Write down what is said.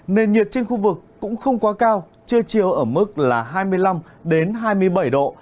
nền nhiệt trên khu vực cũng không quá cao trưa chiều ở mức là hai mươi năm hai mươi bảy độ